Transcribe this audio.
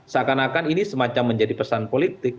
seakan akan ini semacam menjadi pesan politik